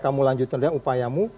kamu lanjutkan deh upayamu